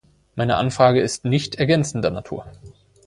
Meine Anfrage ist nicht ergänzender Natur.